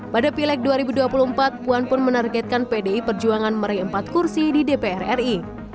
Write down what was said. pada pileg dua ribu dua puluh empat puan pun menargetkan pdi perjuangan meraih empat kursi di dpr ri